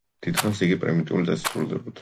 დიდხანს იგი პრიმიტიული წესით სრულდებოდა.